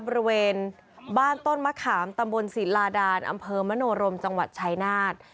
บริเวณบ้านต้นมะขามตำบลศิลาดานอำเภอมโนรมจังหวัดชายนาฏ